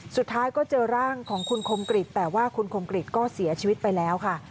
สุดท้ายก็เจอร่างของคุณคมกริจแต่ว่าคุณคมกริจก็เสียชีวิตไปแล้วค่ะ